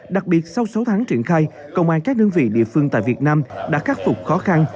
đặc biệt sau sáu tháng triển khai công an các đơn vị địa phương tại việt nam đã khắc phục khó khăn